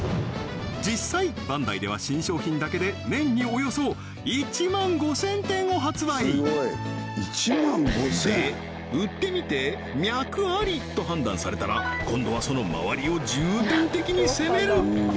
実際バンダイでは新商品だけで年におよそ１万５０００点を発売と判断されたら今度はその周りを重点的に攻める！